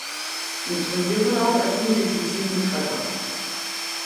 Im Turnierverlauf erzielte sie sieben Treffer.